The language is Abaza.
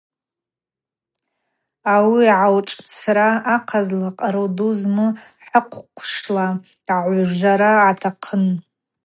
Ауи гӏашӏуырцра ахъазла къару ду зму хыхъвшвла йагӏвужвара атахъын.